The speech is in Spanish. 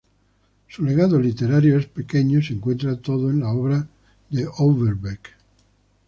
Su legado literario es pequeño y se encuentra todo en la obra de Overbeck.